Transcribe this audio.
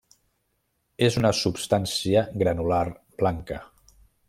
És una substància granular blanca.